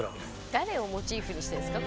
誰をモチーフにしてるんですか？